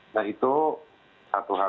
nah itu satu hal